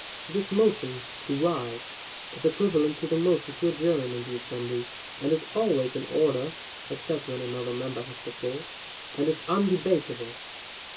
This motion "to rise" is equivalent to the motion to adjourn, in the assembly, and is always in order (except when another member has the floor), and is undebatable.